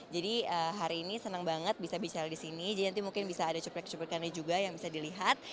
hari ini senang banget bisa bicara di sini jadi nanti mungkin bisa ada cuplik cuplikannya juga yang bisa dilihat